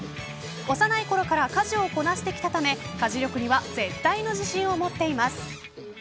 幼いころから家事をこなしてきたため家事力には絶対の自信を持っています。